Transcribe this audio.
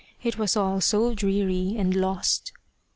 It was all so dreary and lost!